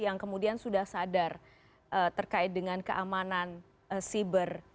yang kemudian sudah sadar terkait dengan keamanan siber